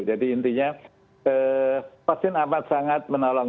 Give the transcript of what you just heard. jadi intinya vaksin amat sangat menolong